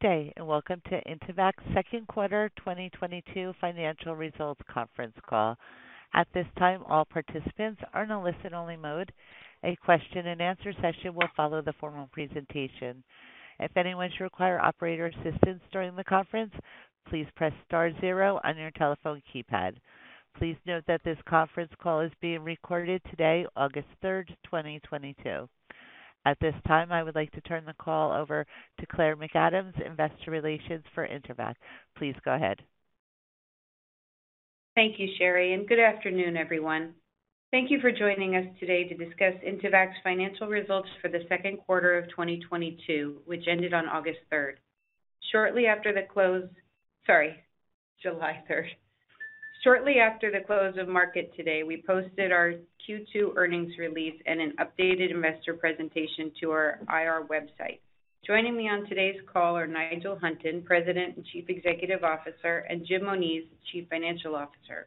Good day, and welcome to Intevac's second quarter 2022 financial results conference call. At this time, all participants are in a listen-only mode. A question and answer session will follow the formal presentation. If anyone should require operator assistance during the conference, please press star zero on your telephone keypad. Please note that this conference call is being recorded today, August 3rd, 2022. At this time, I would like to turn the call over to Claire McAdams, Investor Relations for Intevac. Please go ahead. Thank you, Sherry, and good afternoon, everyone. Thank you for joining us today to discuss Intevac's financial results for the second quarter of 2022, which ended on August 3rd, shortly after the close, sorry, July 3rd. Shortly after the close of market today, we posted our Q2 earnings release and an updated investor presentation to our IR website. Joining me on today's call are Nigel Hunton, President and Chief Executive Officer, and Jim Moniz, Chief Financial Officer.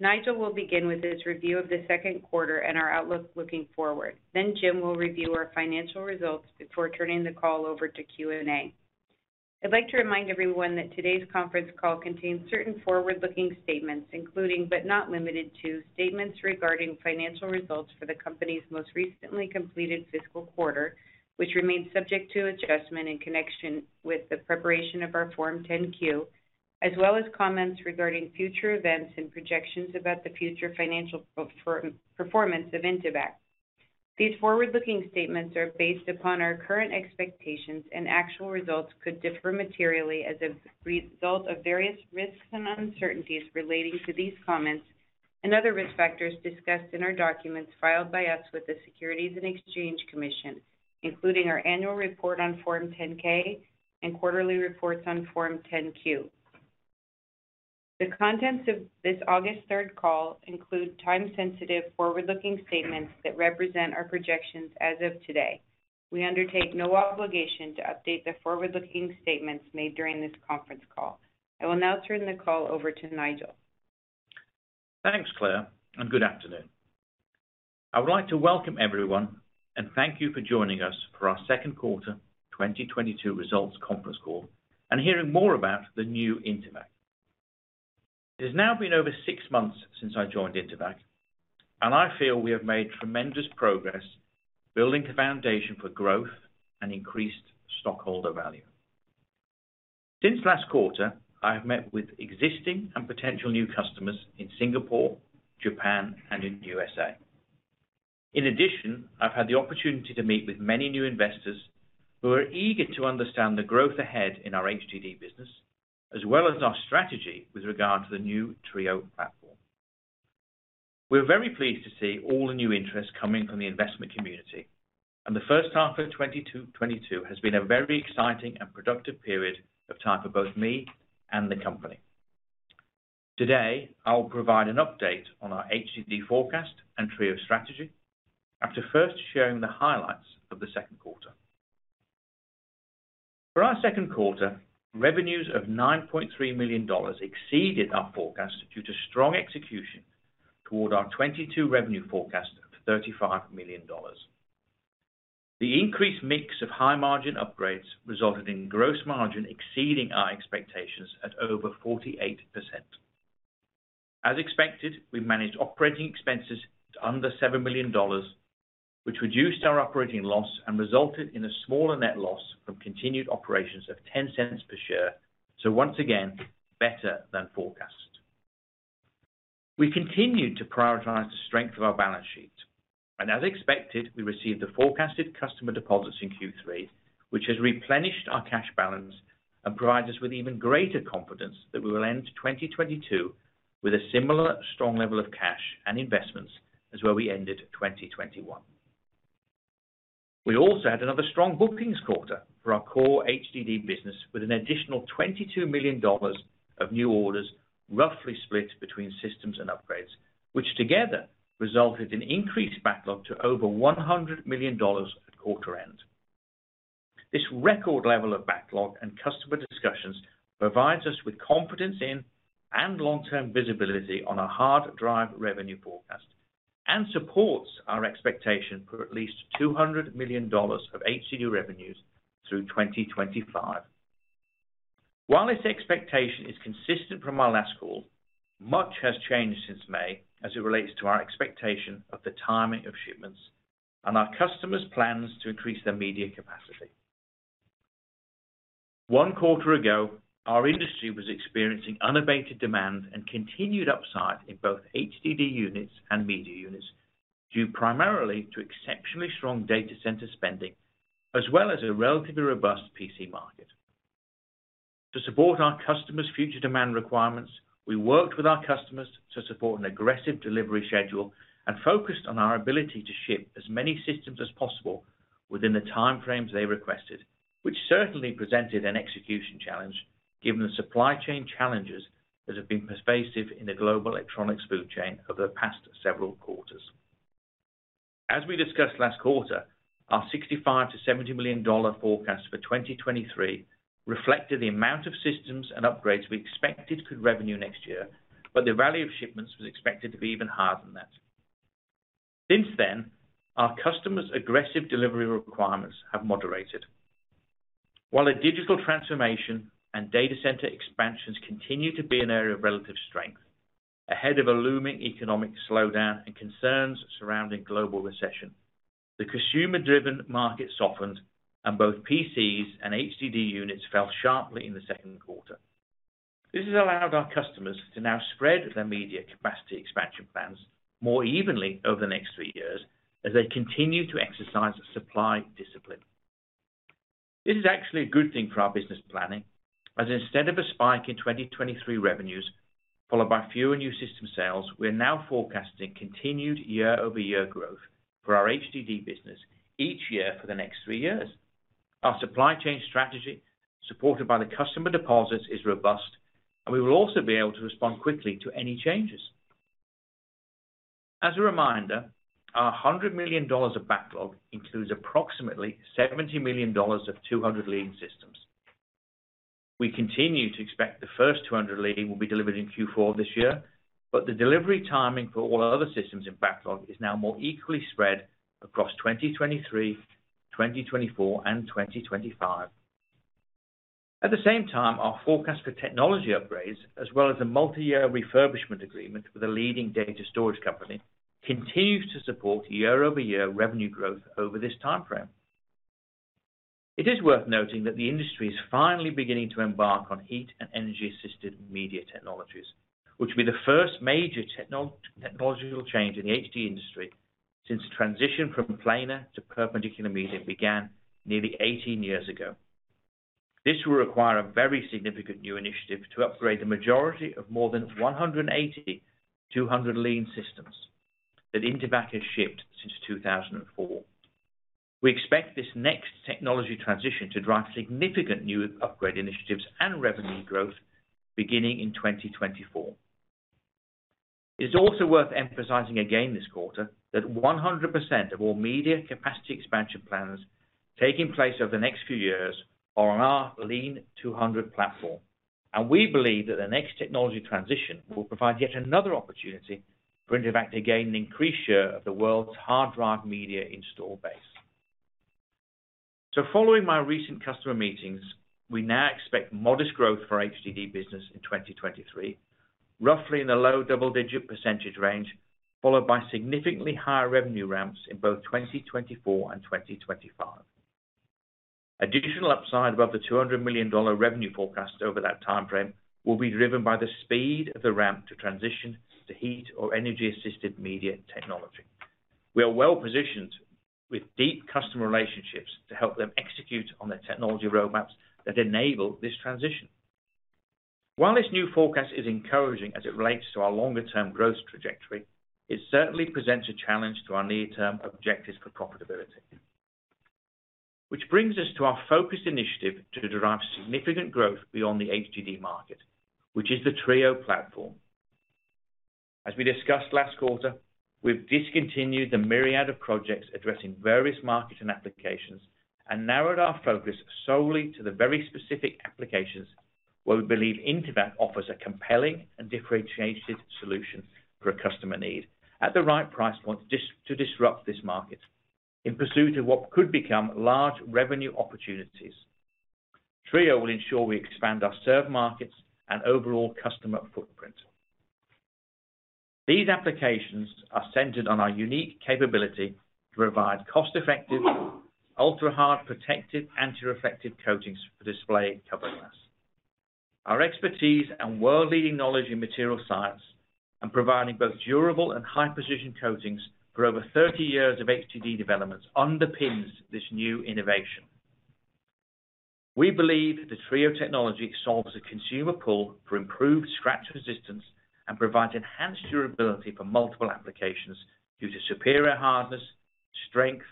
Nigel will begin with his review of the second quarter and our outlook looking forward. Jim will review our financial results before turning the call over to Q&A. I'd like to remind everyone that today's conference call contains certain forward-looking statements, including but not limited to, statements regarding financial results for the company's most recently completed fiscal quarter, which remains subject to adjustment in connection with the preparation of our Form 10-Q, as well as comments regarding future events and projections about the future financial performance of Intevac. These forward-looking statements are based upon our current expectations, and actual results could differ materially as a result of various risks and uncertainties relating to these comments and other risk factors discussed in our documents filed by us with the Securities and Exchange Commission, including our annual report on Form 10-K and quarterly reports on Form 10-Q. The contents of this August third call include time-sensitive, forward-looking statements that represent our projections as of today. We undertake no obligation to update the forward-looking statements made during this conference call. I will now turn the call over to Nigel. Thanks, Claire, and good afternoon. I would like to welcome everyone and thank you for joining us for our second quarter 2022 results conference call and hearing more about the new Intevac. It has now been over six months since I joined Intevac, and I feel we have made tremendous progress building a foundation for growth and increased stockholder value. Since last quarter, I have met with existing and potential new customers in Singapore, Japan, and in USA. In addition, I've had the opportunity to meet with many new investors who are eager to understand the growth ahead in our HDD business, as well as our strategy with regard to the new TRIO platform. We're very pleased to see all the new interest coming from the investment community, and the first half of 2022 has been a very exciting and productive period of time for both me and the company. Today, I will provide an update on our HDD forecast and TRIO strategy after first sharing the highlights of the second quarter. For our second quarter, revenues of $9.3 million exceeded our forecast due to strong execution toward our 2022 revenue forecast of $35 million. The increased mix of high-margin upgrades resulted in gross margin exceeding our expectations at over 48%. As expected, we managed operating expenses to under $7 million, which reduced our operating loss and resulted in a smaller net loss from continuing operations of $0.10 per share, so once again, better than forecast. We continued to prioritize the strength of our balance sheet, and as expected, we received the forecasted customer deposits in Q3, which has replenished our cash balance and provides us with even greater confidence that we will end 2022 with a similar strong level of cash and investments as where we ended 2021. We also had another strong bookings quarter for our core HDD business with an additional $22 million of new orders, roughly split between systems and upgrades, which together resulted in increased backlog to over $100 million at quarter end. This record level of backlog and customer discussions provides us with confidence in and long-term visibility on our hard drive revenue forecast and supports our expectation for at least $200 million of HDD revenues through 2025. While this expectation is consistent from our last call, much has changed since May as it relates to our expectation of the timing of shipments and our customers' plans to increase their media capacity. One quarter ago, our industry was experiencing unabated demand and continued upside in both HDD units and media units, due primarily to exceptionally strong data center spending, as well as a relatively robust PC market. To support our customers' future demand requirements, we worked with our customers to support an aggressive delivery schedule and focused on our ability to ship as many systems as possible within the time frames they requested, which certainly presented an execution challenge given the supply chain challenges that have been pervasive in the global electronics supply chain over the past several quarters. As we discussed last quarter, our $65 million-$70 million forecast for 2023 reflected the amount of systems and upgrades we expected to recognize revenue next year, but the value of shipments was expected to be even higher than that. Since then, our customers' aggressive delivery requirements have moderated. While a digital transformation and data center expansions continue to be an area of relative strength, ahead of a looming economic slowdown and concerns surrounding global recession, the consumer-driven market softened and both PCs and HDD units fell sharply in the second quarter. This has allowed our customers to now spread their media capacity expansion plans more evenly over the next three years as they continue to exercise supply discipline. This is actually a good thing for our business planning, as instead of a spike in 2023 revenues followed by fewer new system sales, we're now forecasting continued year-over-year growth for our HDD business each year for the next three years. Our supply chain strategy, supported by the customer deposits, is robust, and we will also be able to respond quickly to any changes. As a reminder, our $100 million of backlog includes approximately $70 million of 200 Lean systems. We continue to expect the first 200 Lean will be delivered in Q4 this year, but the delivery timing for all other systems in backlog is now more equally spread across 2023, 2024, and 2025. At the same time, our forecast for technology upgrades, as well as a multi-year refurbishment agreement with a leading data storage company, continues to support year-over-year revenue growth over this time frame. It is worth noting that the industry is finally beginning to embark on heat and energy-assisted media technologies, which will be the first major technological change in the HD industry since the transition from planar to perpendicular media began nearly 18 years ago. This will require a very significant new initiative to upgrade the majority of more than 180 to 200 Lean systems that Intevac has shipped since 2004. We expect this next technology transition to drive significant new upgrade initiatives and revenue growth beginning in 2024. It is also worth emphasizing again this quarter that 100% of all media capacity expansion plans taking place over the next few years are on our 200 Lean platform. We believe that the next technology transition will provide yet another opportunity for Intevac to gain an increased share of the world's hard drive media installed base. Following my recent customer meetings, we now expect modest growth for HDD business in 2023, roughly in the low double-digit % range, followed by significantly higher revenue ramps in both 2024 and 2025. Additional upside above the $200 million revenue forecast over that time frame will be driven by the speed of the ramp to transition to heat- or energy-assisted media technology. We are well-positioned with deep customer relationships to help them execute on their technology roadmaps that enable this transition. While this new forecast is encouraging as it relates to our longer-term growth trajectory, it certainly presents a challenge to our near-term objectives for profitability. Which brings us to our focused initiative to derive significant growth beyond the HDD market, which is the TRIO platform. As we discussed last quarter, we've discontinued the myriad of projects addressing various markets and applications and narrowed our focus solely to the very specific applications where we believe Intevac offers a compelling and differentiated solution for a customer need at the right price point to disrupt this market in pursuit of what could become large revenue opportunities. TRIO will ensure we expand our served markets and overall customer footprint. These applications are centered on our unique capability to provide cost-effective, ultra-hard protective antireflective coatings for display cover glass. Our expertise and world-leading knowledge in material science and providing both durable and high-precision coatings for over 30 years of HDD developments underpins this new innovation. We believe the TRIO technology solves a consumer pull for improved scratch resistance and provides enhanced durability for multiple applications due to superior hardness, strength,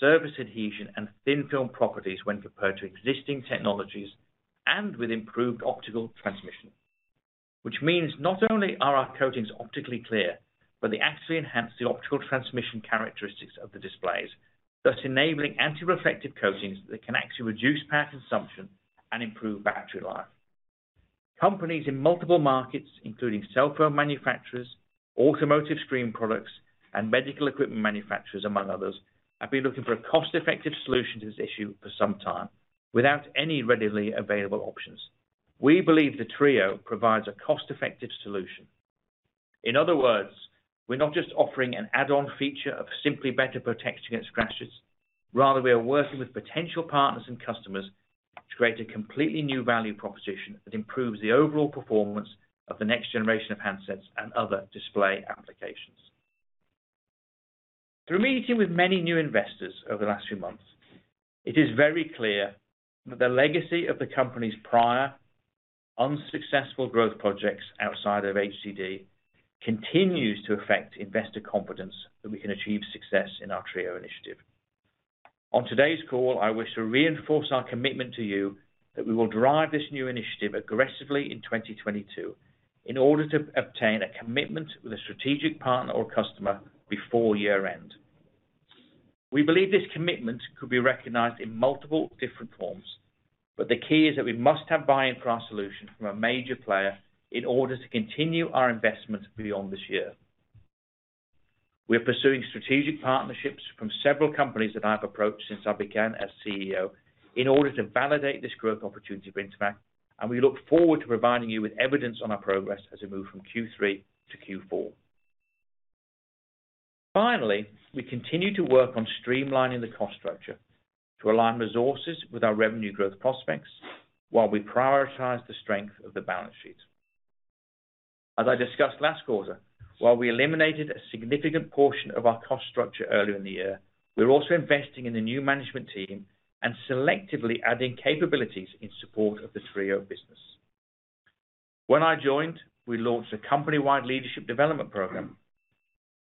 service adhesion, and thin film properties when compared to existing technologies and with improved optical transmission. Which means not only are our coatings optically clear, but they actually enhance the optical transmission characteristics of the displays, thus enabling antireflective coatings that can actually reduce power consumption and improve battery life. Companies in multiple markets, including cell phone manufacturers, automotive screen products, and medical equipment manufacturers, among others, have been looking for a cost-effective solution to this issue for some time without any readily available options. We believe the TRIO provides a cost-effective solution. In other words, we're not just offering an add-on feature of simply better protection against scratches. Rather, we are working with potential partners and customers to create a completely new value proposition that improves the overall performance of the next generation of handsets and other display applications. Through meeting with many new investors over the last few months, it is very clear that the legacy of the company's prior unsuccessful growth projects outside of HDD continues to affect investor confidence that we can achieve success in our TRIO initiative. On today's call, I wish to reinforce our commitment to you that we will drive this new initiative aggressively in 2022 in order to obtain a commitment with a strategic partner or customer before year-end. We believe this commitment could be recognized in multiple different forms, but the key is that we must have buy-in for our solution from a major player in order to continue our investment beyond this year. We are pursuing strategic partnerships from several companies that I've approached since I began as CEO in order to validate this growth opportunity for Intevac, and we look forward to providing you with evidence on our progress as we move from Q3 to Q4. Finally, we continue to work on streamlining the cost structure to align resources with our revenue growth prospects while we prioritize the strength of the balance sheet. As I discussed last quarter, while we eliminated a significant portion of our cost structure earlier in the year, we're also investing in the new management team and selectively adding capabilities in support of the TRIO business. When I joined, we launched a company-wide leadership development program.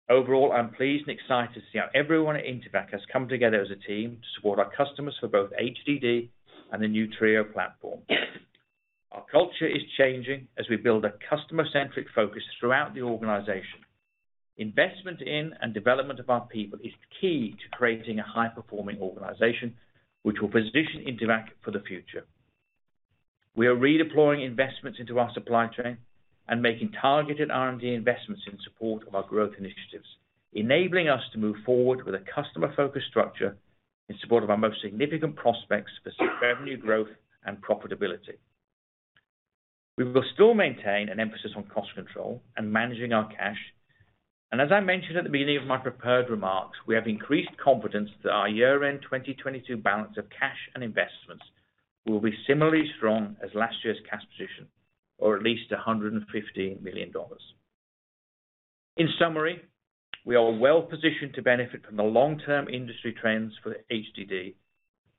Overall, I'm pleased and excited to see how everyone at Intevac has come together as a team to support our customers for both HDD and the new TRIO platform. Our culture is changing as we build a customer-centric focus throughout the organization. Investment in and development of our people is key to creating a high-performing organization which will position Intevac for the future. We are redeploying investments into our supply chain and making targeted R&D investments in support of our growth initiatives, enabling us to move forward with a customer-focused structure in support of our most significant prospects for revenue growth and profitability. We will still maintain an emphasis on cost control and managing our cash. As I mentioned at the beginning of my prepared remarks, we have increased confidence that our year-end 2022 balance of cash and investments will be similarly strong as last year's cash position, or at least $150 million. In summary, we are well positioned to benefit from the long-term industry trends for HDD,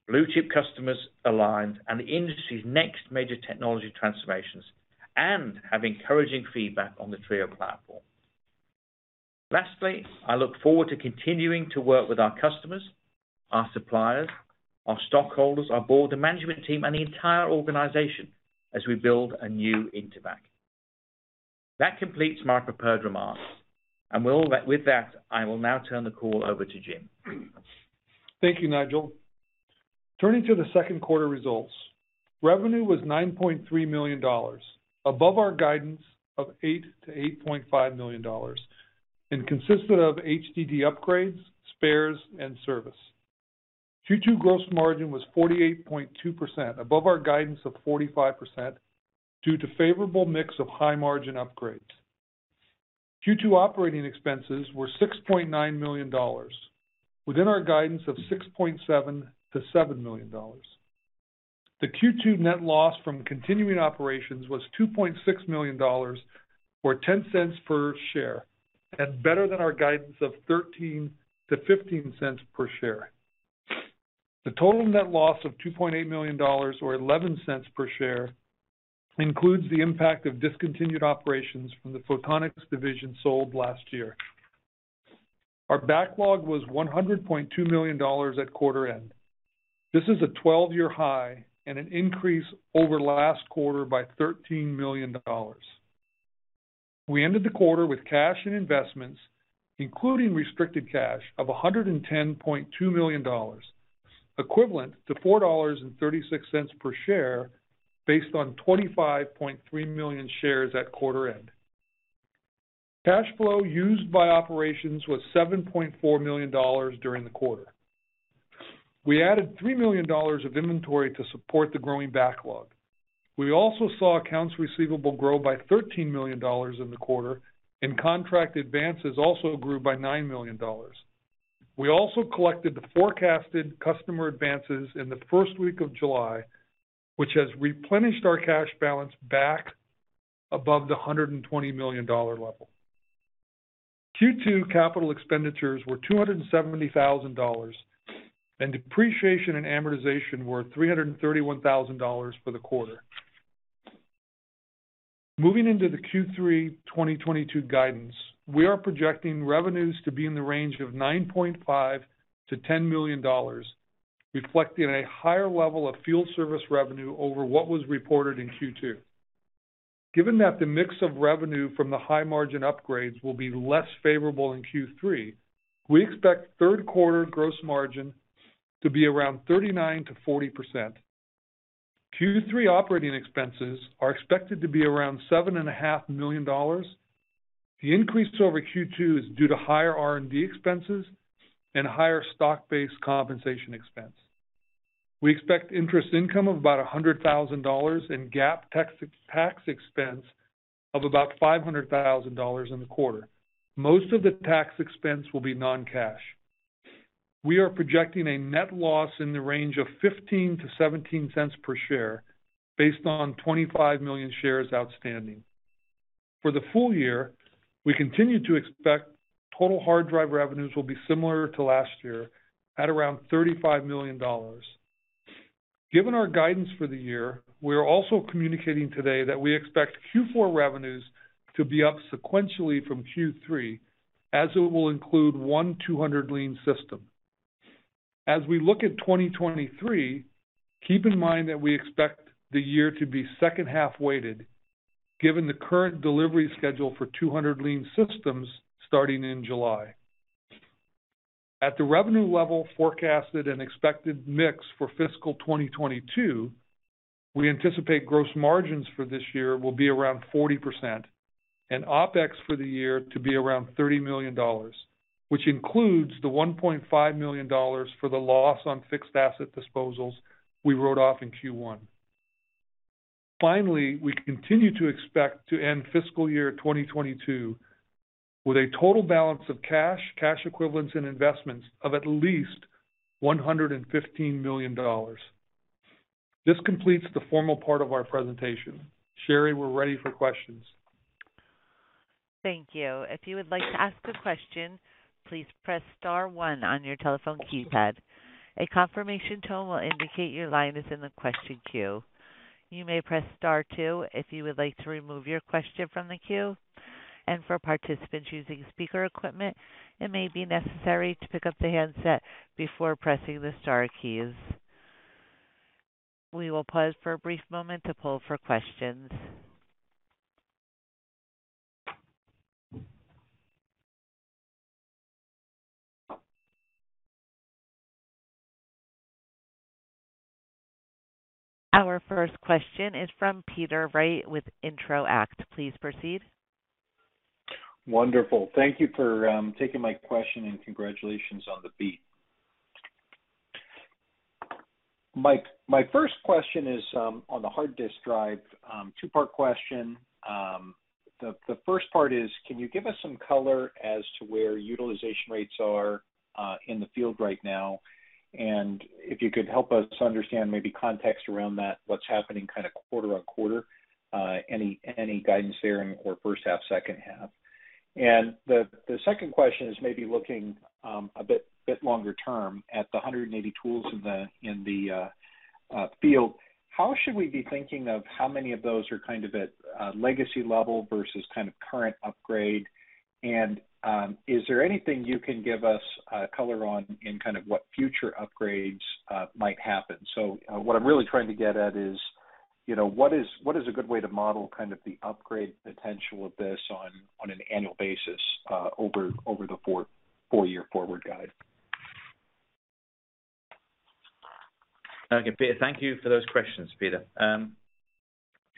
blue-chip customers aligned, and the industry's next major technology transformations, and have encouraging feedback on the TRIO platform. Lastly, I look forward to continuing to work with our customers, our suppliers, our stockholders, our board, the management team, and the entire organization as we build a new Intevac. That completes my prepared remarks, and with that, I will now turn the call over to Jim. Thank you, Nigel. Turning to the second quarter results. Revenue was $9.3 million, above our guidance of $8-$8.5 million, and consisted of HDD upgrades, spares, and service. Q2 gross margin was 48.2%, above our guidance of 45% due to favorable mix of high-margin upgrades. Q2 operating expenses were $6.9 million, within our guidance of $6.7-$7 million. The Q2 net loss from continuing operations was $2.6 million, or $0.10 per share, and better than our guidance of $0.13-$0.15 per share. The total net loss of $2.8 million or $0.11 per share includes the impact of discontinued operations from the Photonics division sold last year. Our backlog was $100.2 million at quarter end. This is a 12-year high and an increase over last quarter by $13 million. We ended the quarter with cash and investments, including restricted cash of $110.2 million, equivalent to $4.36 per share based on 25.3 million shares at quarter end. Cash flow used by operations was $7.4 million during the quarter. We added $3 million of inventory to support the growing backlog. We also saw accounts receivable grow by $13 million in the quarter, and contract advances also grew by $9 million. We also collected the forecasted customer advances in the first week of July, which has replenished our cash balance back above the $120 million level. Q2 capital expenditures were $270,000, and depreciation and amortization were $331,000 for the quarter. Moving into the Q3 2022 guidance, we are projecting revenues to be in the range of $9.5 million-$10 million, reflecting a higher level of field service revenue over what was reported in Q2. Given that the mix of revenue from the high-margin upgrades will be less favorable in Q3, we expect third quarter gross margin to be around 39%-40%. Q3 operating expenses are expected to be around $7.5 million. The increase over Q2 is due to higher R&D expenses and higher stock-based compensation expense. We expect interest income of about $100,000 and GAAP tax expense of about $500,000 in the quarter. Most of the tax expense will be non-cash. We are projecting a net loss in the range of $0.15-$0.17 per share based on 25 million shares outstanding. For the full year, we continue to expect total hard drive revenues will be similar to last year at around $35 million. Given our guidance for the year, we are also communicating today that we expect Q4 revenues to be up sequentially from Q3, as it will include one 200 Lean system. As we look at 2023, keep in mind that we expect the year to be second half weighted. Given the current delivery schedule for 200 Lean systems starting in July. At the revenue level forecasted and expected mix for fiscal 2022, we anticipate gross margins for this year will be around 40% and OPEX for the year to be around $30 million, which includes the $1.5 million for the loss on fixed asset disposals we wrote off in Q1. Finally, we continue to expect to end fiscal year 2022 with a total balance of cash equivalents and investments of at least $115 million. This completes the formal part of our presentation. Sherry, we're ready for questions. Thank you. If you would like to ask a question, please press star one on your telephone keypad. A confirmation tone will indicate your line is in the question queue. You may press star two if you would like to remove your question from the queue. For participants using speaker equipment, it may be necessary to pick up the handset before pressing the star keys. We will pause for a brief moment to poll for questions. Our first question is from Peter Wright with Intro-act. Please proceed. Wonderful. Thank you for taking my question and congratulations on the beat. My first question is on the hard disk drive, two-part question. The first part is can you give us some color as to where utilization rates are in the field right now? If you could help us understand maybe context around that, what's happening kind of quarter on quarter, any guidance there in or first half, second half. The second question is maybe looking a bit longer term at the 180 tools in the field. How should we be thinking of how many of those are kind of at legacy level versus kind of current upgrade? Is there anything you can give us color on in kind of what future upgrades might happen? What I'm really trying to get at is, you know, what is a good way to model kind of the upgrade potential of this on an annual basis over the four-year forward guide? Okay, Peter, thank you for those questions, Peter.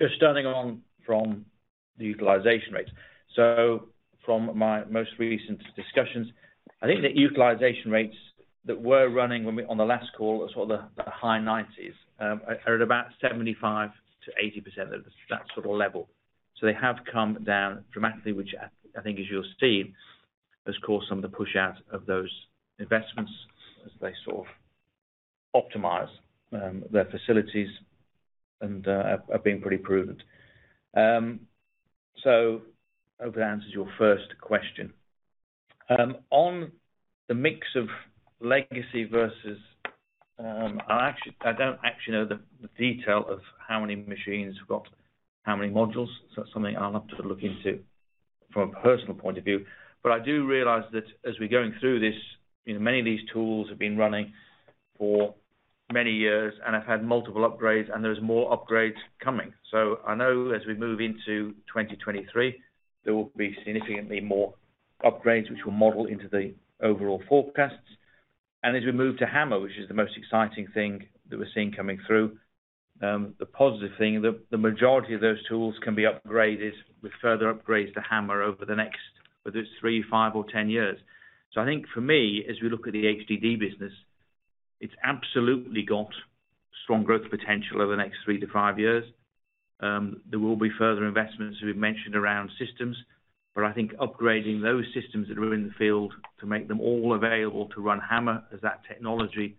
Just starting on from the utilization rates. From my most recent discussions, I think the utilization rates that were running on the last call was sort of the high 90s%, are about 75%-80% of that sort of level. They have come down dramatically, which I think as you'll see, has caused some of the push out of those investments as they sort of optimize their facilities and are being pretty prudent. Hope that answers your first question. On the mix of legacy versus, I don't actually know the detail of how many machines have got how many modules. That's something I'll have to look into from a personal point of view. I do realize that as we're going through this, you know, many of these tools have been running for many years, and have had multiple upgrades, and there's more upgrades coming. I know as we move into 2023, there will be significantly more upgrades which we'll model into the overall forecasts. As we move to HAMR, which is the most exciting thing that we're seeing coming through, the positive thing, the majority of those tools can be upgraded with further upgrades to HAMR over the next whether it's 3, 5 or 10 years. I think for me, as we look at the HDD business, it's absolutely got strong growth potential over the next three to five years. There will be further investments, as we've mentioned around systems, but I think upgrading those systems that are in the field to make them all available to run HAMR as that technology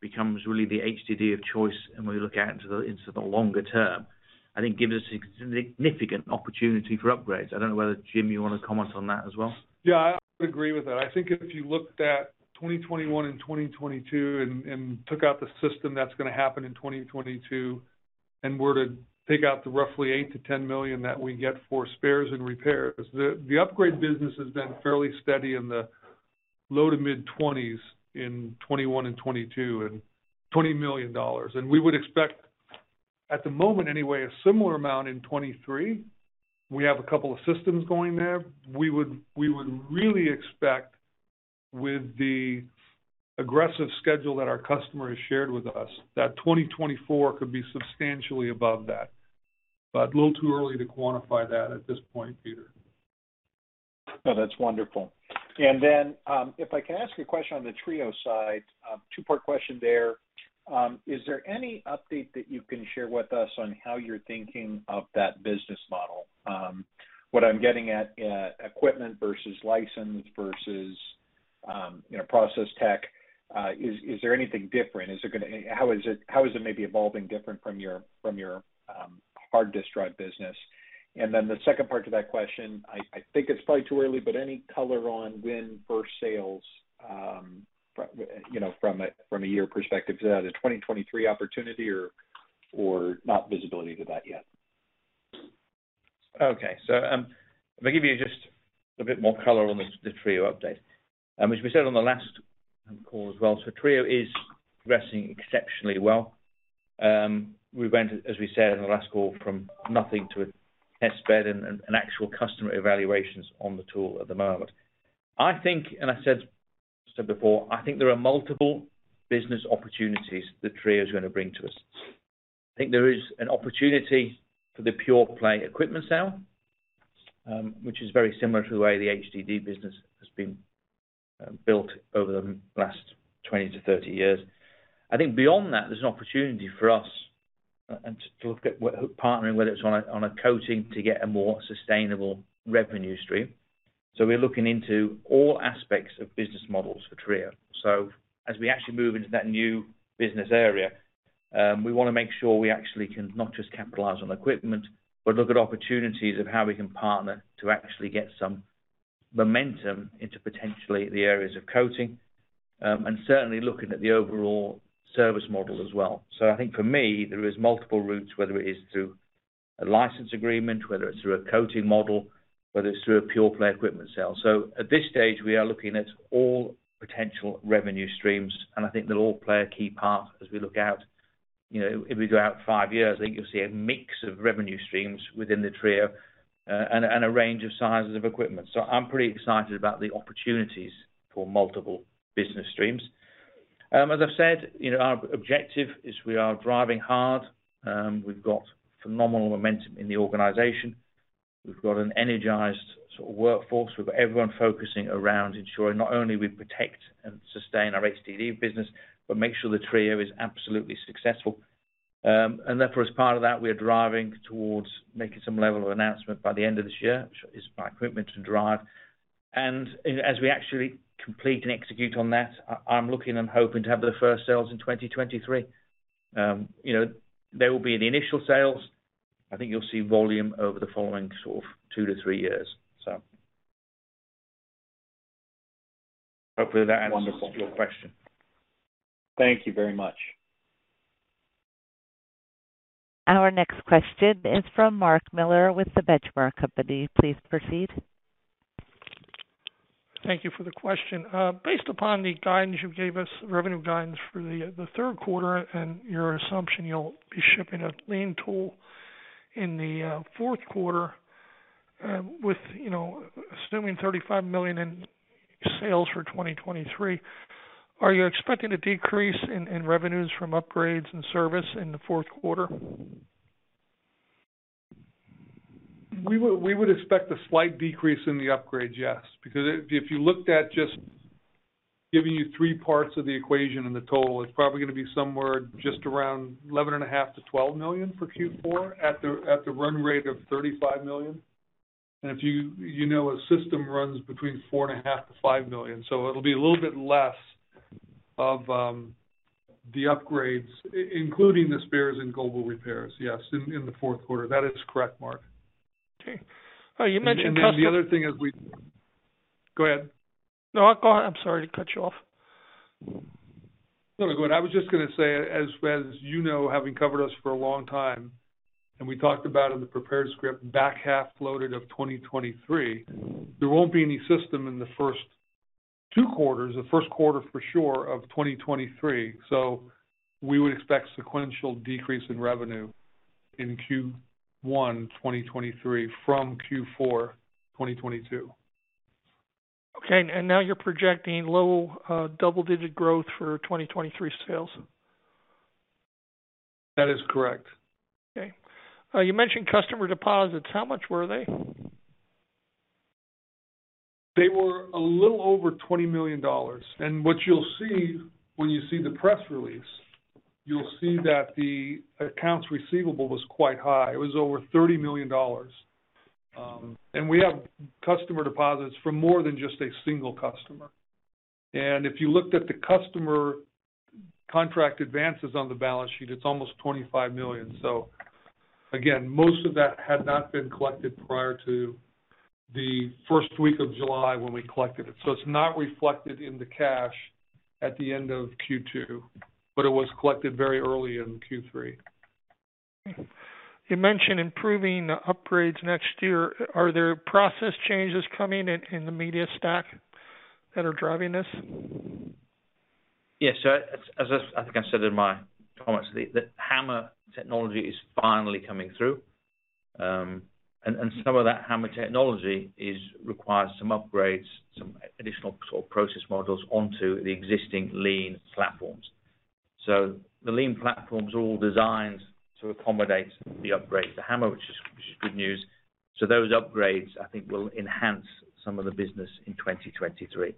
becomes really the HDD of choice, and we look out into the longer term, I think gives us significant opportunity for upgrades. I don't know whether, Jim, you wanna comment on that as well. Yeah, I would agree with that. I think if you looked at 2021 and 2022 and took out the system that's gonna happen in 2022 and were to take out the roughly $8 million-$10 million that we get for spares and repairs, the upgrade business has been fairly steady in the low- to mid-20s in 2021 and 2022 and $20 million. We would expect, at the moment anyway, a similar amount in 2023. We have a couple of systems going there. We would really expect with the aggressive schedule that our customer has shared with us, that 2024 could be substantially above that. But a little too early to quantify that at this point, Peter. No, that's wonderful. If I can ask a question on the TRIO side, two-part question there. Is there any update that you can share with us on how you're thinking of that business model? What I'm getting at, equipment versus license versus, you know, process tech. Is there anything different? How is it maybe evolving different from your hard disk drive business? Then the second part to that question, I think it's probably too early, but any color on when first sales, you know, from a year perspective, is that a 2023 opportunity or not visibility to that yet? Okay. Let me give you just a bit more color on the TRIO update. As we said on the last call as well. TRIO is progressing exceptionally well. We went, as we said in the last call, from nothing to a test bed and actual customer evaluations on the tool at the moment. I think, and I said before, I think there are multiple business opportunities that TRIO is gonna bring to us. I think there is an opportunity for the pure play equipment sale, which is very similar to the way the HDD business has been built over the last 20-30 years. I think beyond that, there's an opportunity for us and to look at partnering, whether it's on a coating, to get a more sustainable revenue stream. We're looking into all aspects of business models for TRIO. As we actually move into that new business area, we wanna make sure we actually cannot just capitalize on equipment but look at opportunities of how we can partner to actually get some momentum into potentially the areas of coating and certainly looking at the overall service model as well. I think for me, there is multiple routes, whether it is through a license agreement, whether it's through a coating model, whether it's through a pure play equipment sale. At this stage, we are looking at all potential revenue streams, and I think they'll all play a key part as we look out. You know, if we go out five years, I think you'll see a mix of revenue streams within the TRIO, and a range of sizes of equipment. I'm pretty excited about the opportunities for multiple business streams. As I've said, you know, our objective is we are driving hard. We've got phenomenal momentum in the organization. We've got an energized sort of workforce. We've got everyone focusing around ensuring not only we protect and sustain our HDD business, but make sure the TRIO is absolutely successful. Therefore, as part of that, we are driving towards making some level of announcement by the end of this year. As we actually complete and execute on that, I'm looking and hoping to have the first sales in 2023. You know, there will be the initial sales. I think you'll see volume over the following sort of two to three years. Hopefully that answers your question. Wonderful. Thank you very much. Our next question is from Mark Miller with The Benchmark Company. Please proceed. Thank you for the question. Based upon the guidance you gave us, revenue guidance for the third quarter and your assumption you'll be shipping a Lean tool in the fourth quarter, with, you know, assuming $35 million in sales for 2023, are you expecting a decrease in revenues from upgrades and service in the fourth quarter? We would expect a slight decrease in the upgrades, yes. Because if you looked at just giving you three parts of the equation in the total, it's probably gonna be somewhere just around $11.5 million-$12 million for Q4 at the run rate of $35 million. You know a system runs between $4.5 million-$5 million, so it'll be a little bit less of the upgrades including the spares and global repairs, yes, in the fourth quarter. That is correct, Mark. Okay. You mentioned custom- The other thing is we. Go ahead. No, go on. I'm sorry to cut you off. No, go on. I was just gonna say, as you know, having covered us for a long time, and we talked about in the prepared script, back half loaded of 2023, there won't be any system in the first two quarters, the first quarter for sure of 2023. We would expect sequential decrease in revenue in Q1 2023 from Q4 2022. Okay. Now you're projecting low double-digit growth for 2023 sales? That is correct. Okay. You mentioned customer deposits. How much were they? They were a little over $20 million. What you'll see when you see the press release, you'll see that the accounts receivable was quite high. It was over $30 million. We have customer deposits from more than just a single customer. If you looked at the customer contract advances on the balance sheet, it's almost $25 million. Again, most of that had not been collected prior to the first week of July when we collected it. It's not reflected in the cash at the end of Q2, but it was collected very early in Q3. You mentioned improving the upgrades next year. Are there process changes coming in the media stack that are driving this? Yes. As I think I said in my comments, the HAMR technology is finally coming through. And some of that HAMR technology requires some upgrades, some additional sort of process models onto the existing Lean platforms. The Lean platforms are all designed to accommodate the upgrade to HAMR, which is good news. Those upgrades, I think, will enhance some of the business in 2023.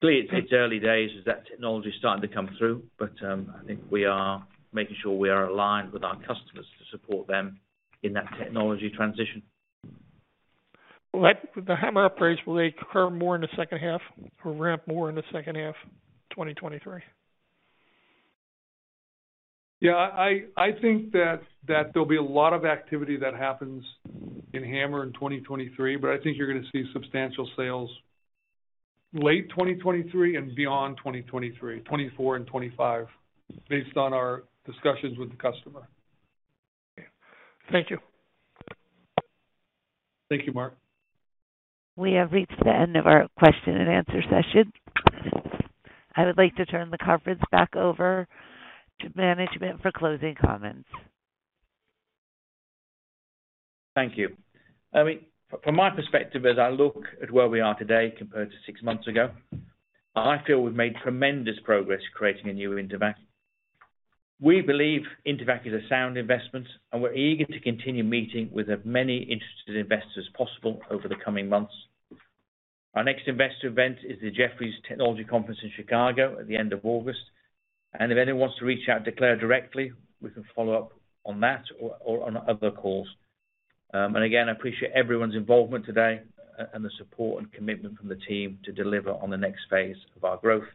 Clearly, it's early days as that technology is starting to come through, but I think we are making sure we are aligned with our customers to support them in that technology transition. Will the HAMR upgrades, will they occur more in the second half or ramp more in the second half 2023? Yeah. I think that there'll be a lot of activity that happens in HAMR in 2023, but I think you're gonna see substantial sales late 2023 and beyond 2023, 2024 and 2025, based on our discussions with the customer. Thank you. Thank you, Mark. We have reached the end of our question and answer session. I would like to turn the conference back over to management for closing comments. Thank you. I mean, from my perspective, as I look at where we are today compared to six months ago, I feel we've made tremendous progress creating a new Intevac. We believe Intevac is a sound investment, and we're eager to continue meeting with as many interested investors as possible over the coming months. Our next investor event is the Jefferies Technology Conference in Chicago at the end of August. If anyone wants to reach out to Claire directly, we can follow up on that or on other calls. I appreciate everyone's involvement today and the support and commitment from the team to deliver on the next phase of our growth.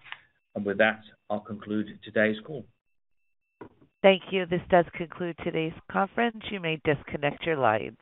With that, I'll conclude today's call. Thank you. This does conclude today's conference. You may disconnect your lines.